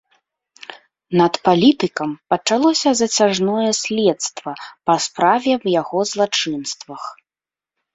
Над палітыкам пачалося зацяжное следства па справе аб яго злачынствах.